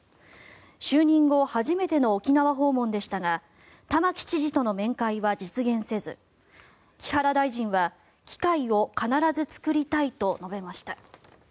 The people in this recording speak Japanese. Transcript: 就任後初めての沖縄訪問でしたが玉城知事との面会は実現せず木原大臣は機会を必ず作りたいと述べました。